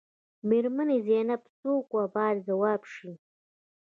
میرمن زینب څوک وه باید ځواب شي.